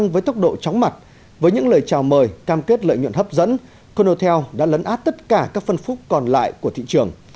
với những lời chào mời cam kết lợi nhuận hấp dẫn conotel đã lấn át tất cả các phân phúc còn lại của thị trường